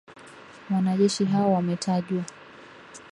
Wanajeshi hao wametajwa